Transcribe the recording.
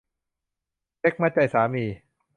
เซ็กส์มัดใจสามี